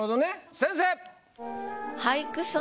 先生！